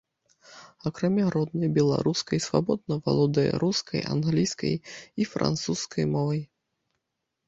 Акрамя роднай беларускай, свабодна валодае рускай, англійскай і французскай мовай.